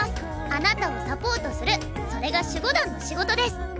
あなたをサポートするそれが守護団の仕事です。